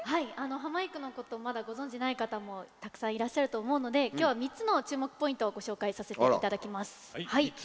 ハマいくのことまだご存じない方たくさんいらっしゃると思うので今日は３つの注目ポイントをご紹介させていただきます。